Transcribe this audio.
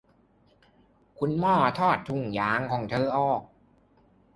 คุณหมอถอดถุงมือของเธอออก